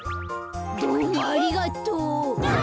どうもありがとう。わ！